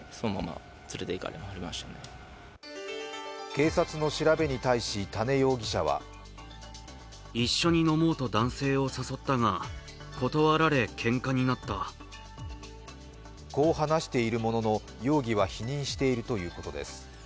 警察の調べに対し多禰容疑者はこう話しているものの容疑は否認しているということです。